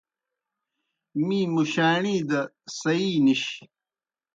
می مُشاݨیْ دہ سیی نِش۔